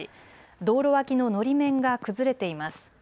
道路脇ののり面が崩れています。